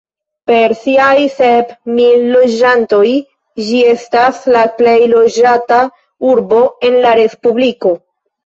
Per siaj sep mil loĝantoj ĝi estas la plej loĝata urbo en la respubliko.